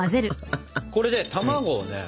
これで卵をね